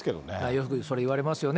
よくそれ言われますよね。